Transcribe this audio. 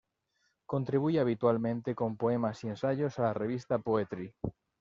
Contribuye habitualmente con poemas y ensayos a la revista "Poetry".